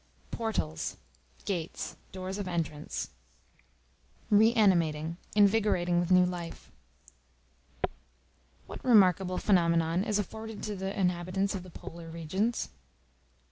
Portals, gates, doors of entrance. Reanimating, invigorating with new life. What remarkable phenomenon is afforded to the inhabitants of the polar regions?